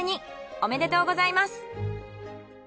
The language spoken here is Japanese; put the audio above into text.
おめでとうございます。